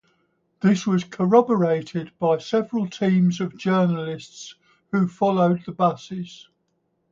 This was corroborated by several teams of journalists, who followed the buses.